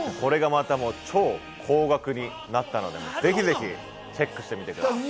超高額になったので、ぜひぜひチェックしてみてください。